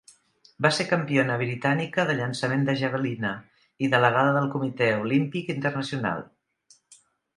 Va ser campiona britànica de llançament de javelina i delegada del Comitè Olímpic Internacional.